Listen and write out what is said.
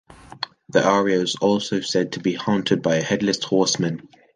The area is also said to be haunted by a headless horseman.